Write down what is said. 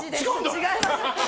違います。